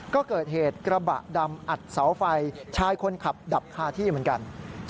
ก็เกิดเหตุกระบะดำอัดเสาไฟชายคนขับดับคาที่เหมือนกัน